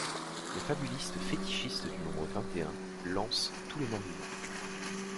Les fabulistes fétichistes du nombre "vingt et un" lancent tous les morts-vivants.